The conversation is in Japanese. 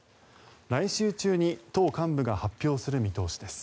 来週中に党幹部が発表する見通しです。